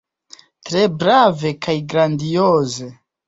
Tre brave kaj grandioze!